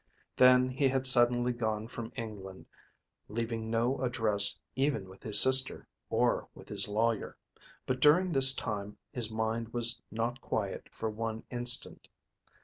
Then he had suddenly gone from England, leaving no address even with his sister or with his lawyer. But during this time his mind was not quiet for one instant.